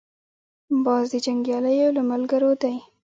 باز د جنګیالیو له ملګرو دی